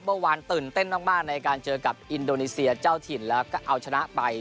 เมื่อวานตื่นเต้นมากในการเจอกับอินโดนีเซียเจ้าถิ่นแล้วก็เอาชนะไป